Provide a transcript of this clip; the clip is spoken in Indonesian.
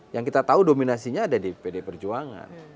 yang kita tahu dominasinya ada di pd perjuangan